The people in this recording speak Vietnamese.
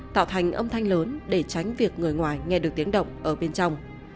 tạo thành âm thanh lớn để tránh việc người ngoài nghe được tiếng động ở bên trong